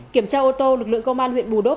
kiểm tra ô tô lực lượng công an huyện bù đốc